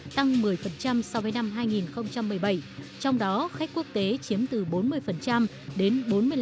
tăng một mươi so với năm hai nghìn một mươi bảy trong đó khách quốc tế chiếm từ bốn mươi đến bốn mươi năm